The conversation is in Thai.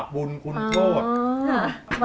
ของคุณยายถ้วน